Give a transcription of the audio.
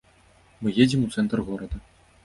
Мы едзем у цэнтр горада.